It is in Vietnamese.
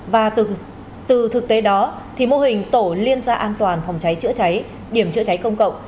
và từ thực tế đó mô hình tổ liên gia an toàn phòng cháy chữa cháy điểm chữa cháy công cộng